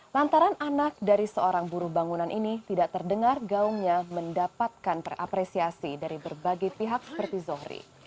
lantaran anak dari seorang buruh bangunan ini tidak terdengar gaungnya mendapatkan terapresiasi dari berbagai pihak seperti zohri